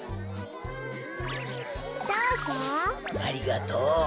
ありがとう。